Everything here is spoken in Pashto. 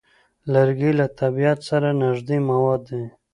لرګی له طبیعت سره نږدې مواد دي.